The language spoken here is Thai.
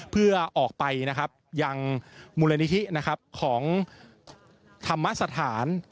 เพื่อออกไปนะครับยังมูลนิธินะครับของธรรมสถาน